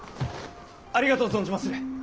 ありがとう存じまする！